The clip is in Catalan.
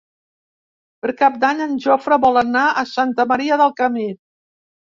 Per Cap d'Any en Jofre vol anar a Santa Maria del Camí.